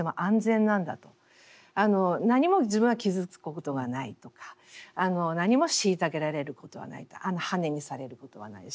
何も自分は傷つくことがないとか何も虐げられることはないとはねにされることはないしという。